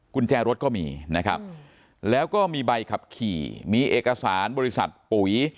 กุญแจรถก็มีนะครับแล้วก็มีใบขับขี่มีเอกสารบริษัทปุ๋ย